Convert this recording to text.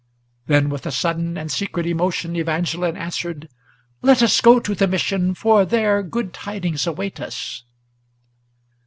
Then, with a sudden and secret emotion, Evangeline answered, "Let us go to the Mission, for there good tidings await us!"